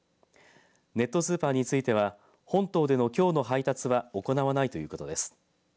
ネットスーパーについては本島でのきょうの配達は行わないということです。